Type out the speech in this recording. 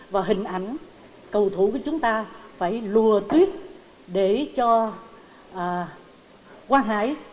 và hình ảnh cầu thủ của chúng ta phải lùa tuyết để cho quang hải